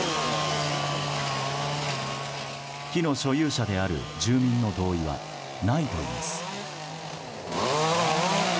木の所有者である住民の同意はないといいます。